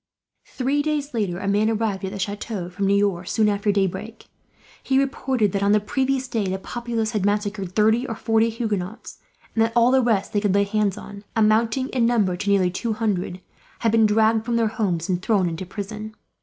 Three days later a man arrived at the chateau from Niort, soon after daybreak. He reported that, on the previous day, the populace had massacred thirty or forty Huguenots; and that all the rest they could lay hands on, amounting in number to nearly two hundred, had been dragged from their homes and thrown into prison.